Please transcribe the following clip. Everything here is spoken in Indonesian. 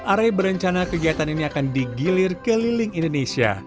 are berencana kegiatan ini akan digilir keliling indonesia